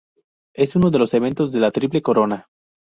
Es uno de los eventos de la Triple Corona.